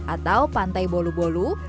atau pantai bolu bolu